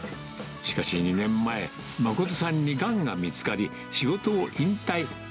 しかし、２年前、誠さんにがんが見つかり、仕事を引退。